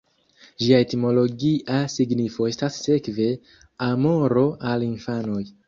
Ĝia etimologia signifo estas sekve 'amoro al infanoj'.